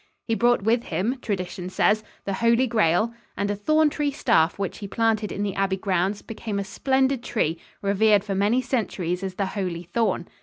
He brought with him, tradition says, the Holy Grail; and a thorn tree staff which he planted in the abbey grounds became a splendid tree, revered for many centuries as the Holy Thorn.